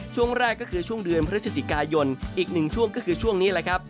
ช่วงแรกก็คือช่วงเดือนพฤศจิกายนอีกหนึ่งช่วงก็คือช่วงนี้แหละครับ